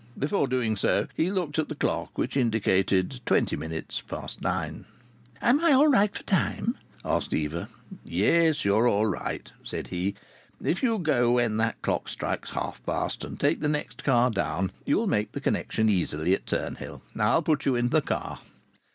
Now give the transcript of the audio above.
Before doing so he looked at the clock, which indicated twenty minutes past nine. "Am I all right for time?" asked Eva. "Yes, you're all right," said he. "If you go when that clock strikes half past, and take the next car down, you'll make the connection easily at Turnhill. I'll put you into the car."